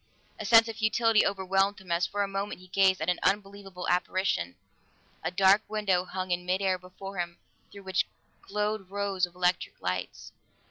A sense of futility overwhelmed him as for a moment he gazed at an unbelievable apparition a dark window hung in midair before him through which glowed rows of electric lights.